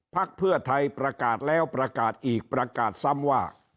พักเพื่อไทยประกาศแล้วประกาศอีกประกาศซ้ำว่า